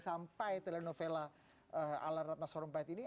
sampai telenovela ala ratna sarumpait ini